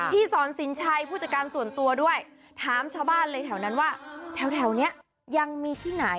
พี่ซอนซินชัยผู้จัดการส่วนตัวด้วยถามชาวบ้านเลยแถวนั้นว่า